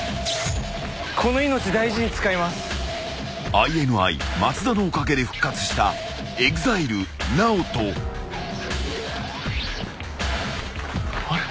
［ＩＮＩ松田のおかげで復活したＥＸＩＬＥＮＡＯＴＯ］あれ？